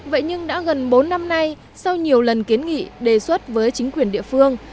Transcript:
vậy nhưng đã gần bốn năm nay sau nhiều lần kiến nghị đề xuất với chính quyền địa phương